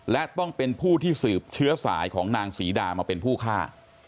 และต้องเป็นผู้ที่สืบเชื้อสายของนางศรีดามาเป็นผู้ฆ่า